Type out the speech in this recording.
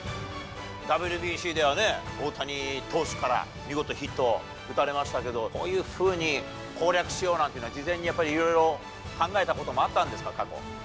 ＷＢＣではね、大谷投手から見事、ヒットを打たれましたけど、こういうふうに攻略しようなんていうのは、事前にやっぱり、いろいろ考えたこともあったんですか、過去。